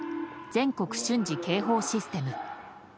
・全国瞬時警報システム。